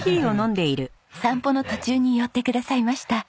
散歩の途中に寄ってくださいました。